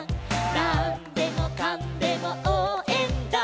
「なんでもかんでもおうえんだ！！」